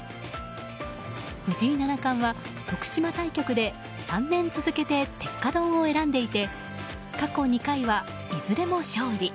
藤井七冠は、徳島対局で３年連続で鉄火丼を選んでいて過去２回は、いずれも勝利。